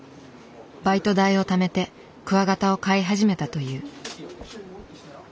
バイト代をためてクワガタを飼い始めたという。